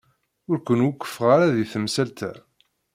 Ur ken-wufqeɣ ara di temsalt-a.